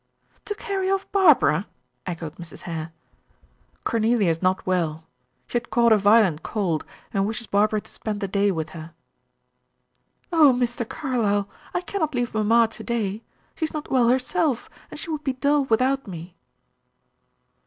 "To carry off Barbara!" echoed Mrs. Hare. "Cornelia is not well; she had caught a violent cold, and wishes Barbara to spend the day with her." "Oh, Mr. Carlyle, I cannot leave mamma to day. She is not well herself, and she would be dull without me."